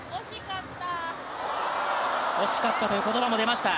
惜しかったという言葉も出ました。